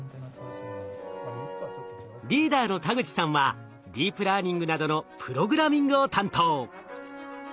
リーダーの田口さんはディープラーニングなどのプログラミングを担当。